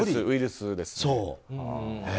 ウイルスですよね。